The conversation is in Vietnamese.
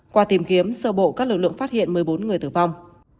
qua tìm kiếm sơ bộ các lực lượng phát hiện một mươi bốn người tử vong